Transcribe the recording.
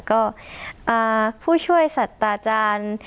ก็ผู้ช่วยสัตว์อาจารย์